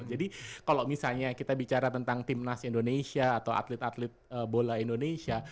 jadi kalau misalnya kita bicara tentang timnas indonesia atau atlet atlet bola indonesia